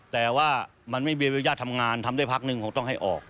แต่ว่ามันไม่มีอนุญาตทำงานทำได้พักหนึ่งคงต้องให้ออก